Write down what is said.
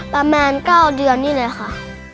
ประมาณ๙เดือนนี่เลยค่ะ